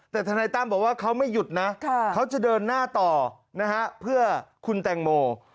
แต่ทนายตั้มบอกว่าเขาไม่หยุดนะเขาจะเดินหน้าต่อนะฮะเพื่อคุณแตงโม